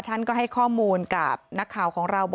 ท่านก็ให้ข้อมูลกับนักข่าวของเรา